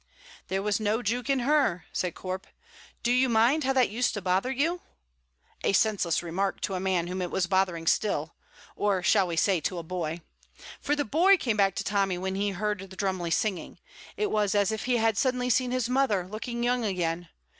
"There was no jouking her," said Corp. "Do you mind how that used to bother you?" a senseless remark to a man whom it was bothering still or shall we say to a boy? For the boy came back to Tommy when he heard the Drumly singing; it was as if he had suddenly seen his mother looking young again.